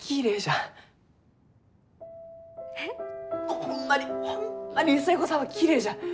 ホンマにホンマに寿恵子さんはきれいじゃ。